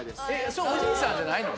それおじいさんじゃないの？